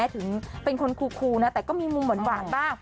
ถึงเป็นคนคูนะแต่ก็มีมุมหวานบ้าง